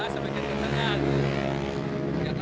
semakin dekat lah sampai jatuh jatuhnya